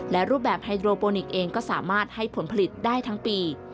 และรูปแบบไฮโดรโปนิกเองก็สามารถให้ผลผลิตได้ทั้งปี